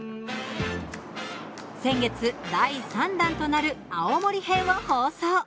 先月、第３弾となる青森編を放送。